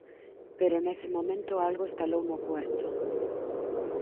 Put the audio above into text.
Pero nese momento algo estalou no cuarto.